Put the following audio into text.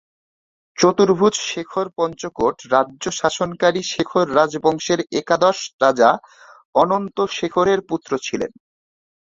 চতুর্ভুজ শেখর পঞ্চকোট রাজ্য শাসনকারী শেখর রাজবংশের একাদশ রাজা অনন্ত শেখরের পুত্র ছিলেন।